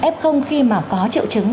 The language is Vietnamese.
f khi mà có triệu chứng